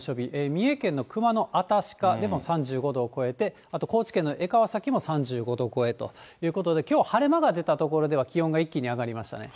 三重県の熊野新鹿でも３５度を超えて、あと高知県の江川崎も３５度超えということで、きょう晴れ間が出た所では、気温が一気に上がりましたね。